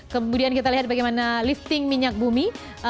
kemudian kita lihat bagaimana lifting minyak bumi